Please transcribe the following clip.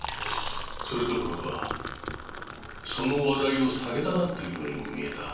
それどころかその話題を避けたがってるようにも見えた。